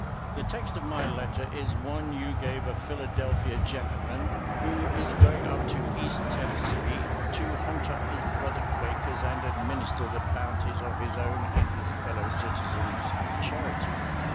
The text of my letter is one you gave a Philadelphia gentleman who is going up to East Tennessee to hunt up his brother Quakers and administer the bounties of his own and his fellow citizens' charity.